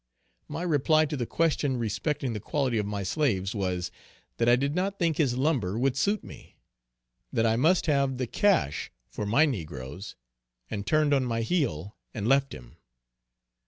My reply to the question respecting the quality of my slaves was, that I did not think his lumber would suit me that I must have the cash for my negroes, and turned on my heel and left him!